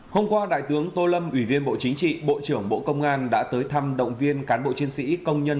hôm qua đại tướng tô lâm ủy viên bộ chính trị bộ trưởng bộ công an đã tới thăm động viên cán bộ chiến sĩ công nhân